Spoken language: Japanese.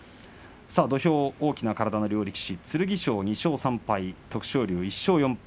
土俵、大きな体の両力士剣翔２勝３敗、徳勝龍１勝４敗。